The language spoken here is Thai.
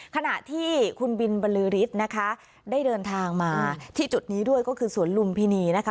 ขณะที่คุณบินบรรลือฤทธิ์นะคะได้เดินทางมาที่จุดนี้ด้วยก็คือสวนลุมพินีนะคะ